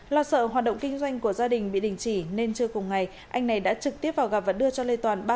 lo sợ hoạt động kinh doanh của gia đình bị đình chỉ nên trưa cùng ngày anh này đã trực tiếp vào gặp và đưa cho lê toàn